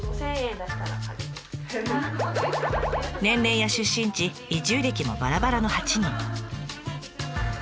年齢や出身地移住歴もばらばらの８人。